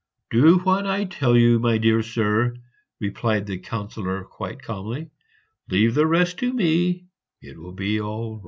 "Do what I tell you, my dear sir," replied the Councillor quite calmly; "leave the rest to me; it will be all right."